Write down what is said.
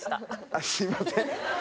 あっすみません。